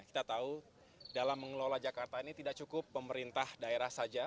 kita tahu dalam mengelola jakarta ini tidak cukup pemerintah daerah saja